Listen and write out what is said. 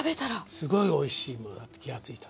すごいおいしいものだって気が付いたの。